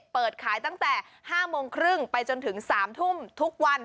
เปิดขายตั้งแต่๕โมงครึ่งไปจนถึง๓ทุ่มทุกวัน